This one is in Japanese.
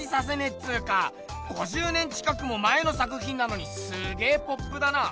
っつうか５０年近くも前の作品なのにすげポップだな。